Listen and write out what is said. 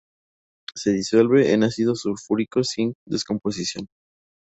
Se disuelve en ácido sulfúrico sin descomposición.